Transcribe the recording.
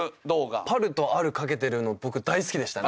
「パル」と「ある」掛けてるの僕大好きでしたね。